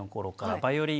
バイオリン。